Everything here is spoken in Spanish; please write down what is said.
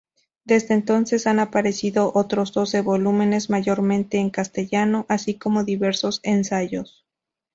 Desde entonces han aparecido otros doce volúmenes, mayormente en castellano, así como diversos ensayos.